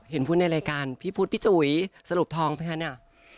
เห็นพูดในรายการพี่พุทธปีจุ๋ยสริปทองเป็นไงนะ